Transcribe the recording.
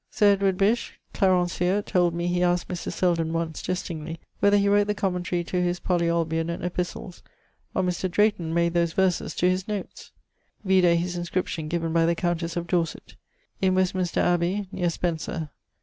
Sir Edward Bissh, Clarencieux, told me he asked Mr. Selden once (jestingly) whether he wrote the commentary to his 'Polyolbion' and 'Epistles,' or Mr. Drayton made those verses to his notes. Vide his inscription given by the countess of Dorset. _In Westminster Abbey, neer Spencer.